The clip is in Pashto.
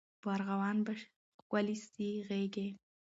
په ارغوان به ښکلي سي غیږي